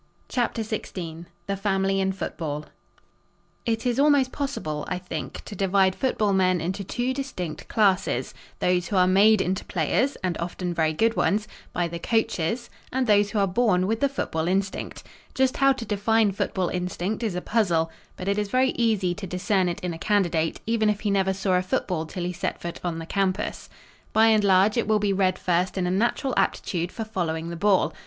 CHAPTER XVI THE FAMILY IN FOOTBALL It is almost possible, I think, to divide football men into two distinct classes those who are made into players (and often very good ones) by the coaches and those who are born with the football instinct. Just how to define football instinct is a puzzle, but it is very easy to discern it in a candidate, even if he never saw a football till he set foot on the campus. By and large, it will be read first in a natural aptitude for following the ball.